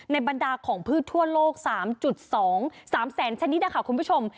บรรดาของพืชทั่วโลก๓๒๓แสนชนิดนะคะคุณผู้ชม